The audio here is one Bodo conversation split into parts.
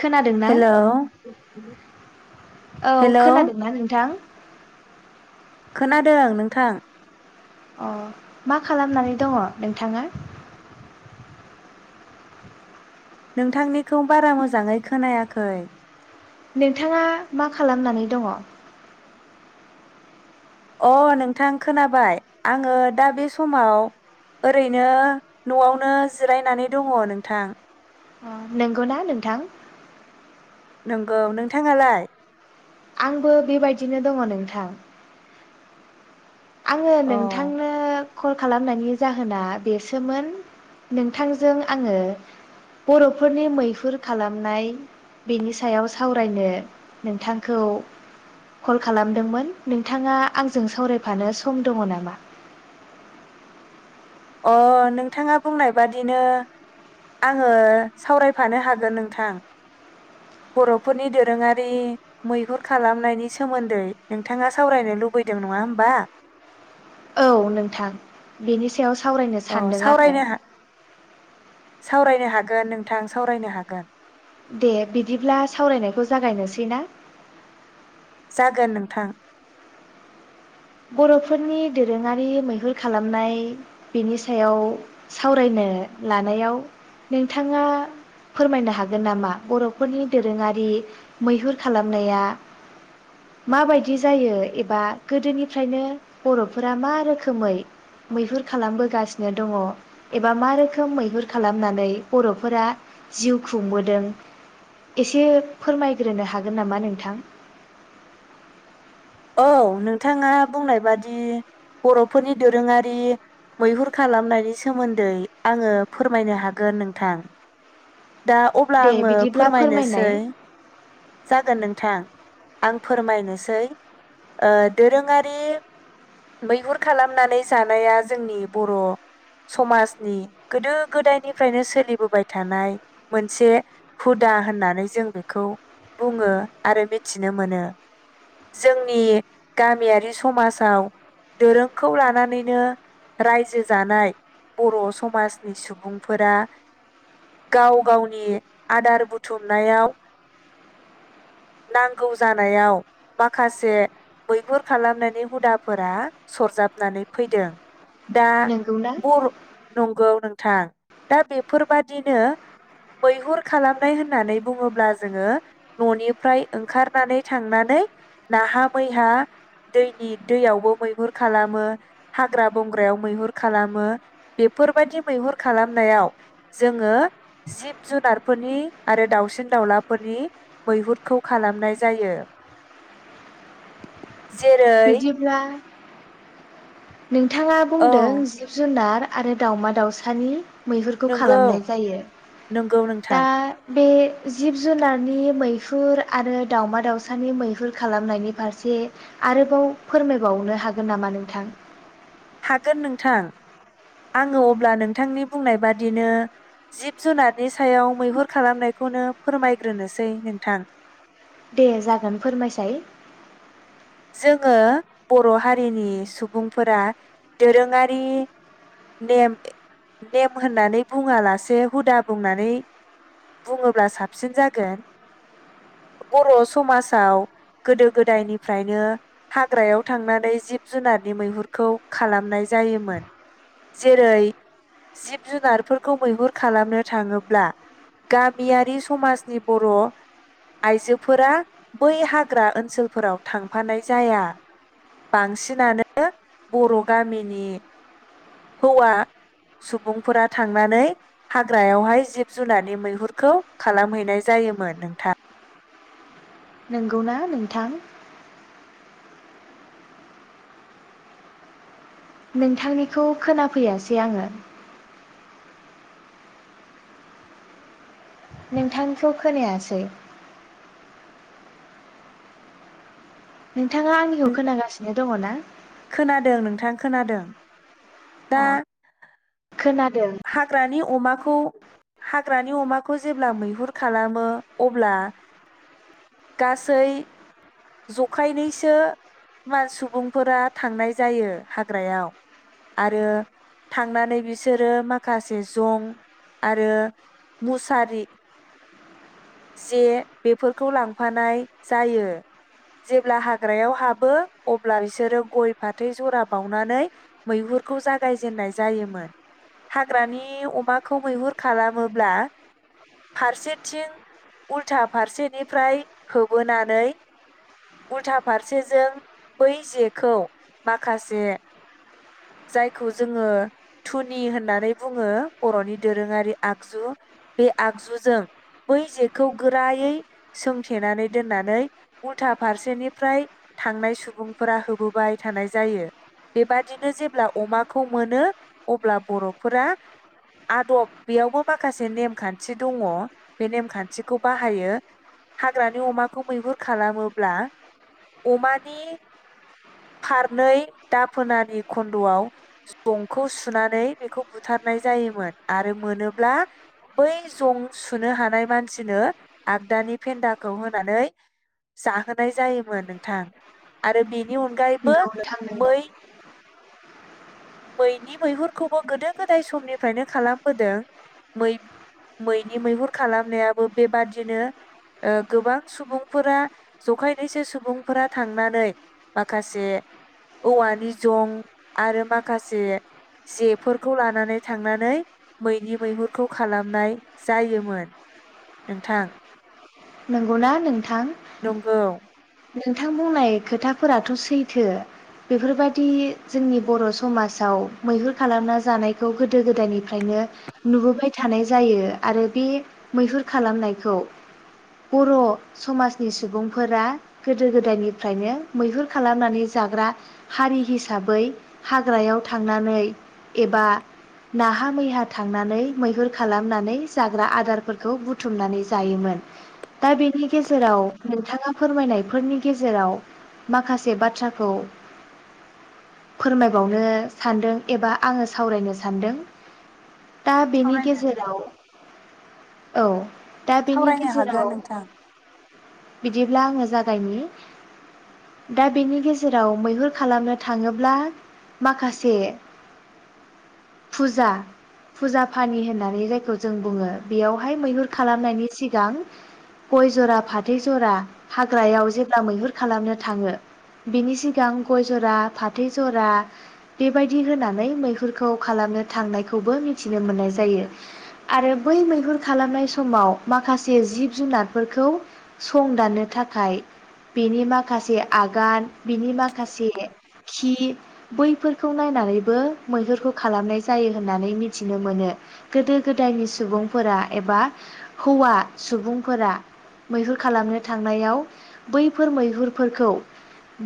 खोनादोंना हेलौ। औ हेलौ खोनादोंना नोंथां? खोनादों नोंथां। अ' मा खालामनानै दङ नोंथाङा? नोंथांनिखौ बारा मोजाङै खोनायाखै नोंथाङा मा खालामनानै दङ? अ' नोंथां खोनाबाय आङो दा बे समाव ओरैनो न'आवनो जिरायनानै दङ नोंथां। नंगौना नोंथां नंगौ नोंथाङालाय? आंबो बेबायदिनो दङ नोंथां। आङो अ नोंथांनो कल खालामनायनि जाहोना बेसोमोन नोंथांजों आङो बर'फोरनि मैहुर खालामनाय बेनि सायाव सावरायनो नोंथांखौ कल खालामदोंमोन नोंथाङा आंजों सावराय फानो सम दङ नामा? अ' नोंथाङा बुंनाय बादिनो आङो सावरायफानो हागोन नोंथां बर'फोरनि दोरोङारि मैहुर खालामनायनि सोमोन्दै नोंथाङा सावरायनो लुबैदों नङा होमबा? औ नोंथां बेनि सायाव सावरायनो अ सानदों आङो सावरायनो हा सावरायनो हागोन नोंथां सावरायनो हागोन। दे बिदिब्ला सावरायनायखौ जागायनोसै ना? जागोन नोंथां। बर'फोरनि दोरोङारि मैहुर खालामनाय बेनि सायाव सावरायनो लानायाव नोंथाङा फोरमायनो हागोन नामा बर'फोरनि दोरोङारि मैहुर खालामनाया माबायदि जायो एबा गोदोनि फ्रायनो बर'फोरा मा रोखोमै मैहुर खालामबोगासिनो दङ एबा मा रोखोम मैहुर खालामनानै बर'फोरा जिउ खुंबोदों एसे फोरमायग्रोनो हागोन नामा नोंथां? औ नोंथाङा बुंनाय बादि बर'फोरनि दोरोङारि मैहुर खालामनायनि सोमोन्दै आङो फोरमायनो हागोन नोंथां। दा अब्ला दे आङो बिदिब्ला फोरमायनोसै फोरमायनाय जागोन नोंथां। आं फोरमायनोसै ओ दोरोङारि मैहुर खालामनानै जानाया जोंनि बर' समाजनि गोदो गोदायनिफ्रायनो सोलिबोबाय थानाय मोनसे हुदा होननानै जों बेखौ बुङो आरो मिथिनो मोनो जोंनि गामियारि समाजाव दोरोंखौ लानानैनो रायजो जानाय बर' समाजनि सुबुंफोरा गाव गावनि आदार बुथुमनायाव नांगौ जानायाव माखासे मैहुर खालामनायनि हुदाफोरा सरजाबनानै फैदों। दा नंगौना बर नंगौ नोंथां दा बेफोरबादिनो मैहुर खालामनाय होननानै बुङोब्ला जोङो ननिफ्राय ओंखारनानै थांनानै नाहा मैहा दैनि दैयावबो मैहुर खालामो हाग्रा बंग्रायाव मैहुर खालामो बेफोरबायदि मैहुर खालामनायाव जोङो जिब जुनारफोरनि आरो दावसिन दाउलाफोरनि मैहुरखौ खालामनाय जायो। जेरै बिदिब्ला नोंथाङा औ बुंदों जिब जुनार आरो दाावमा दाउसानि मैहुरखौ नंगौ खालामनाय जायो नंगौ दा नोंथां बे जिब जुनारनि मैहुर आरो दाावमा दाावसानि मैहुर खालामनायनि फारसे आरोबाव फोरमायबावनो हागोन नामा नोंथां? हागोन नोंथां आङो अब्ला नोंथांनि बुंनाय बादिनो जिब जुनारनि सायाव मैहुर खालामनायखौनो फोरमायग्रोनोसै नोंथां। दे जागोन फोरमायसाय जोङो बर' हारिनि सुबुंफोरा दोरोङारि नेम नेम होननानै बुङालासे हुदा बुंनानै बुङोब्ला साबसिन जागोन बर' समाजाव गोदो गोदायनि फ्रायनो हाग्रायाव थांनानै जिब जुनारनि मैहुरखौ खालामनाय जायोमोन जेरै- जिब जुनारफोरखौ मैहुर खालामनो थाङोब्ला गामियारि समाजनि बर' आइजोफोरा बै हाग्रा ओनसोलफोराव थांफानाय जाया बांसिनानो बर' गामिनि हौवा सुबुंफोरा थांनानै हाग्रायावहाय जिब जुनारनि मैहुरखौ खालामहैनाय जायोमोन नोंथां। नंगौना नोंथां? नोंथांनिखौ खोनाफैयासै आङो? नोंथांखौ खोनायासै। नोंथाङा आंनिखौ खोनागासिनो? दङ ना। खोनादों नोंथां खोनादों। दा। अ खोनादों हाग्रानि अमा। खौ हाग्रानि अमाखौ जेब्ला मैहुर खालामो अब्ला गासै जखायनैसो सुबुंफोरा थांनाय जायो हाग्रायाव आरो थांनानै बिसोरो माखासे जं आरो मुसारि जे बेफोरखौ लांफानाय जायो। जेब्ला हाग्रायाव हाबो अब्ला बिसोरो गय फाथै जरा बावनानै मैहुरखौ जागायजेननाय जायोमोन हाग्रानि अमाखौ मैहुर खालामोब्ला फारसेथिं उल्था फारसेनिफ्राय होबोनानै। उल्था फारसेजों बै जेखौ माखासे जायखौ जोङो धुनि होननानै बुङो बर'नि दोरोङारि आगजु बे आगजुजों बै जेखौ गोरायै सोंथेनानै दोननानै उल्था फारसेनिफ्राय थांनाय सुबुंफोरा होबोबाय थानाय जायो बेबादिनो नो जेब्ला अमाखौ मोनो अब्ला बर'फोरा आदब बेयावबो माखासे नेमखान्थि दङ बे नेमखान्थिखौ बाहायो हाग्रानि अमाखौ मैहुर खालामोब्ला अमानि फारनै दाफोनानि खन्दआव जंखौ सुनानै बेखौ बुथारनाय जायोमोन आरो मोनोब्ला बै जं सुनो हानाय मानसिनो आगदानि फेन्दाखौ होनानै जाहोनाय जायोमोन नोंथां आरो बेनि नि अनगायैबो नंगौ नोंथां नंगौ मै मैनि मैहुरखौबो गोदो गोदाय समनिफ्रायनो खालामबोदों मै मैनि मैहुर खालामनायाबो बेबादिनो ओ गोबां सुबुंफोरा जखायनैसो सुबुंफोरा थांनानै माखासे औवानि जं आरो मा खासे जेफोरखौ लानानै थांनानै मैनि मैहुरखौ खालामनाय जायोमोन नोंथां। नंगौना नों नंगौ। नोंथां बुंनाय खोथाफोराथ सैथो बेफोरबायदि जोंनि बर' समाजाव मैहुर खालामना जानायखौ गोदो गोदायनिफ्रायनो नुबोबाय थानाय जायो आरो बे मैहुर खालामनायखौ बर' समाजनि सुबुंफोरा गोदो गोदायनिफ्रायनो मैहुर खालामनानै जाग्रा हारि हिसाबै हाग्रायाव थांनानै एबा नाहा मैहा थांनानै मैहुर खालामनानै जाग्रा आदारफोरखौ बुथुमनानै जायोमोन दा बेनि गेजेराव नोंथाङा फोरमायनाय फोरनि गेजेराव माखासे बाथ्राखौ फोरमायबावनो सानदों एबा आङो सावरायनो सानदों। दा बेनि सावरायनो गेजेराव औ। दा बेनि सावरायनो हागोन गेजेराव नोंथां बिदिब्ला आङो जा गायनि दा बेनि गेजेराव मैहुर खालामनो थाङोब्ला माखासे फुजा फुजा फानि होननानै जायखौ जों बुङो बेयावहाय मैहुर खालामनायनि सिगां गय जरा फाथै जरा हाग्रायाव जेब्ला मैहुर खालामनो थाङो बेनि सिगां गय जरा फाथै जरा बेबायदि होनानै मैहुरखौ खालामनो थांनायखौबो मिथिनो मोननाय जायो आरो बै मैहुर खालामनाय समाव माखासे जिब जुनारफोरखौ सं दाननो था खाय बिनि माखासे आगान बिनि माखासे खि बैफोरखौ नायनानैबो मैहुरखौ खालामनाय जायो होननानै मिथिनो मोनो गोदो गोदायनि सुबुंफोरा एबा हौवा सुबुंफोरा मैहुर खालामनो थांनायाव बैफोर मैहुरफोरखौ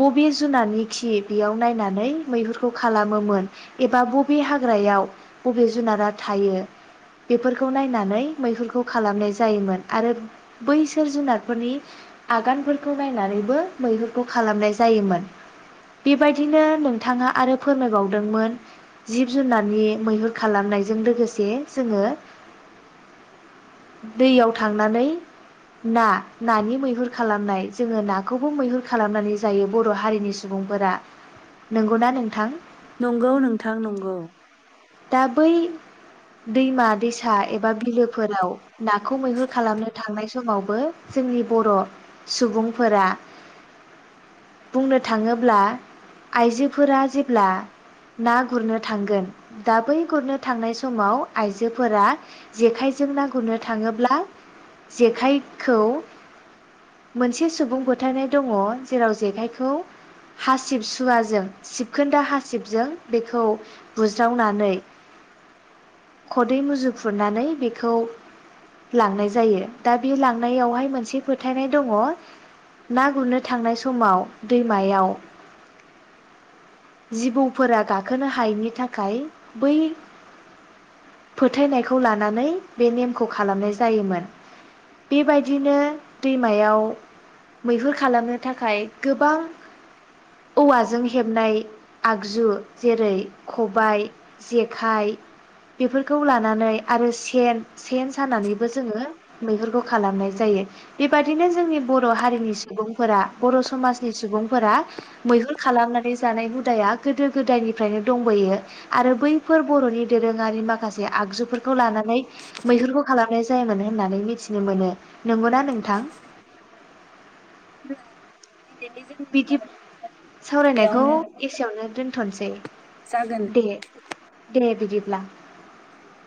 बबे जुनारनि खि बेयाव नायनानै मैहुरखौ खालामोमोन एबा बबे हाग्रायाव बबे जुनारा थायो बेफोरखौ नायनानै मैहुरखौ खालामनाय जायोमोन आरो बैसोर जुनारफोरनि आगानफोरखौ नायनानैबो मैहुरखौ खालामनाय जायोमोन बेबायदिनो नोंथाङा आरो फोरमायबावदोंमोन जिब जुनारनि मैहुर खालामनायजों लोगोसे जोङो दैयाव थांनानै ना नानि मैहुर खालामनाय जोङो नाखौबो मैहुर खालामनानै जायो बर' हारिनि सुबुंफोरा नंगौना नोंथां? नंगौ नोंथां नंगौ। दा बै दैमा-दैसा एबा बिलोफोराव नाखौ मैहुर खालामनो थांनाय समावबो जोंनि बर' सुबुंफोरा बुंनो थाङोब्ला आइजोफोरा जेब्ला ना गुरनो थांगोन दा बै गुरनो थांनाय समाव आइजोफोरा जेखाइजों ना गुरनो थाङोब्ला जेखाइखौ मोनसे सुबुं फोथायनाय दङ जेराव जेखायखौ हासिबसुवाजों सिबखोन्दा हासिबजों बेखौ बुज ज्रावनानै खदै मुजुफुरनानै बेखौ लांनाय जायो दा बे लांनायावहाय मोनसे फोथायनाय दङ ना गुरनो थांनाय समाव दैमायाव जिबौफोरा गाखोनो हायिनि था खाय बै फोथायनायखौ लानानै बे नेमखौ खालामनाय जायोमोन बेबायदिनो दैमायाव मैहुर खालामनो थाखाय गोबां औवाजों हेबनाय आगजु जेरै खबाइ जेखाइ बेफोरखौ लानानै आरो सेन सेन सानानैबो जोङो मैहुरखौ खालामनाय जायो बेबादिनो जोंनि बर' हारिनि सुबुंफोरा बर' समाजनि सुबुंफोरा मैहुर खालामनानै जानाय हुदाया गोदो गोदायनिफ्रायनो दं। बोयो आरो बैफोर बर'नि दोरोङारि माखासे आगजुफोरखौ लानानै मैहुरखौ खालामनाय जायोमोन होननानै मिथिनो मोनो। नंगौना नोंथां? अब्ला दिनैनि जोंनि बिदि सावरायनाय सावरायनायखौ बेयावनो एसेयावनो दोनथसै जागोन दे नोंथां दे बिदिब्ला। जागोन